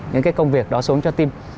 những cái công việc đó xuống cho team